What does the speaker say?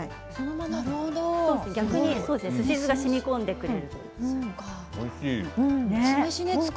逆にすし酢がしみ込んでくれる。